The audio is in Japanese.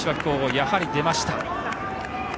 やはり出ました。